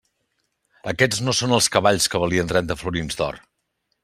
Aquests no són els cavalls que valien trenta florins d'or!